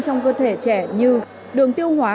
trong cơ thể trẻ như đường tiêu hóa